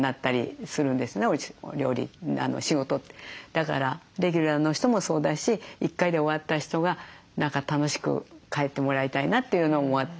だからレギュラーの人もそうだし１回で終わった人が何か楽しく帰ってもらいたいなというのもあって。